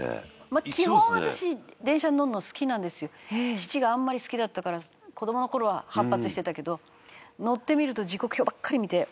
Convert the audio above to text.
父があんまり好きだったから子どもの頃は反発してたけど乗ってみると時刻表ばっかり見て。